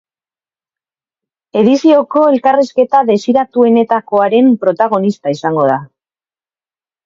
Edizioko elkarrizketa desiratuenetakoaren protagonista izango da.